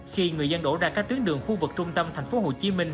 khi người dân đổ ra các tuyến đường khu vực trung tâm thành phố hồ chí minh